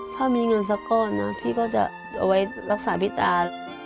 ถ้ามีเงินสักก้อนนะพี่ก็จะเอาไว้รักษาพี่ตา